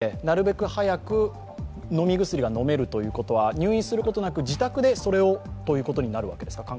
使用方法を伺いたいんですが、検査を行って、なるべく早く飲み薬が飲めるということは入院することなく自宅でそれをということになるわけですか。